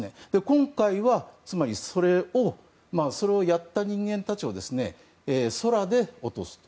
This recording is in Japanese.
今回は、それをやった人間たちを空で落とすと。